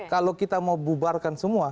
kalau kita mau bubarkan semua